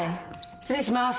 失礼します。